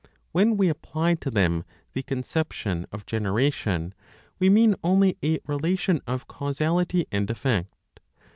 When we apply to them the conception of generation, we mean only a relation of causality and effect.